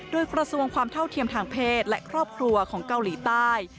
โดยกระทรวงความเท่าเทียมทางเพศและครอบครัวของเกาหลีใต้